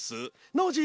ノージー